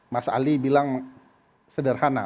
mas ali bilang sederhana